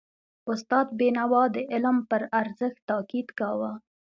استاد بینوا د علم پر ارزښت تاکید کاوه.